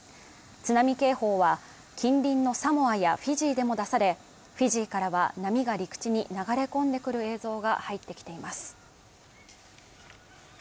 津波警報は、近隣のサモアやフィジーでも出され、フィジーからは波が陸地に流れ込んでくる映像が入ってきています